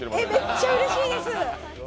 めっちゃうれしいです。